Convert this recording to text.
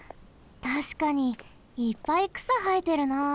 たしかにいっぱいくさはえてるな。